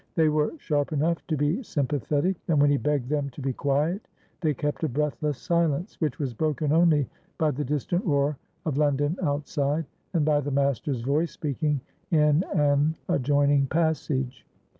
They were sharp enough to be sympathetic, and when he begged them to be quiet they kept a breathless silence, which was broken only by the distant roar of London outside, and by the Master's voice speaking in an adjoining passage.